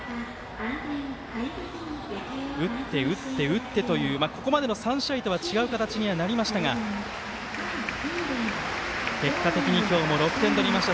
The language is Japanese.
打って打って打ってというここまでの３試合とは違う形になりましたが結果的に今日も６点取りました。